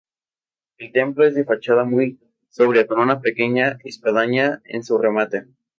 El templo es de fachada muy sobria con una pequeña espadaña en su remate.